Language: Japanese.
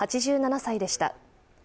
８７歳でした。